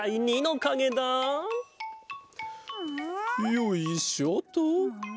よいしょっと。